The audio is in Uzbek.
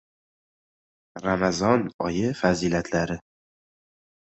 Ramazon oyi fazilatlari